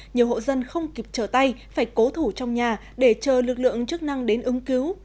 nhiều hộ dân không kịp trở tay phải cố thủ trong nhà để chờ lực lượng chức năng đến ứng cứu